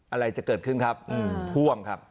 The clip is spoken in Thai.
อะไรจะเกิดขึ้นครับท่วมครับ